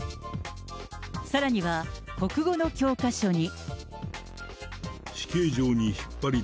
さらには、国語の教科書に。